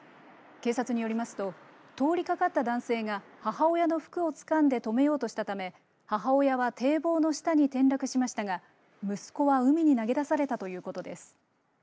警察によりますと通りかかった男性が母親の服をつかんで止めようとしたため母親は堤防の下に転落しましたが息子は海に投げ出されたということです。